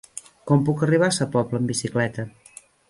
Com puc arribar a Sa Pobla amb bicicleta?